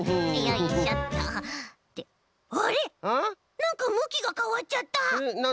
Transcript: なんかむきがかわっちゃった！